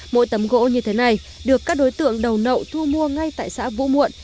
mỗi tấm gỗ như thế này được các đối tượng đầu nậu thu mua ngay tại xã vũ muộn